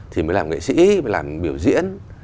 thì mới làm nghệ sĩ mới làm biểu diễn